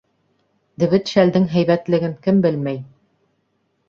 Дебет шәлдең һәйбәтлеген кем белмәй.